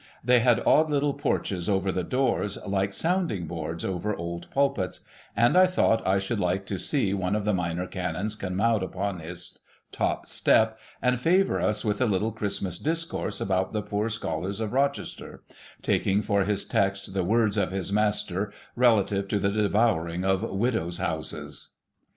They had odd little porches over the doors, like sounding boards over old pulpits ; and I thought I should like to see one of the Minor Canons come out upon his top step, and favour us with a little Christmas discourse about the poor scholars of Rochester ; taking for his text the words of his Master relative to the devouring of Widows' houses.